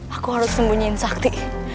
aku harus sembunyiin sakti